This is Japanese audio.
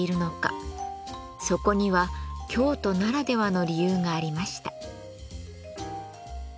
そこには京都ならではの理由がありました。